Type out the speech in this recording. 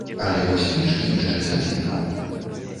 Але вось кніжкі нішчаць адзінкам.